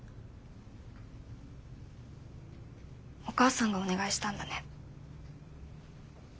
お母さんがお願いしたんだね。